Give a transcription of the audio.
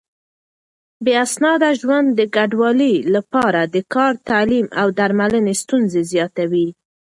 بې اسناده ژوند د کډوالو لپاره د کار، تعليم او درملنې ستونزې زياتوي.